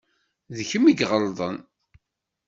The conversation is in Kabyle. D kemm i iɣelḍen